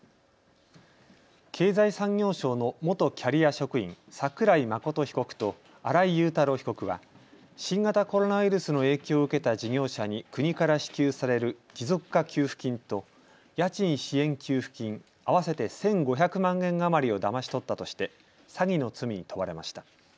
経済産業省の元キャリア職員、櫻井眞被告と新井雄太郎被告は新型コロナウイルスの影響を受けた事業者に国から支給される持続化給付金と家賃支援給付金合わせて１５００万円余りをだまし取ったとして詐欺の罪に問われました。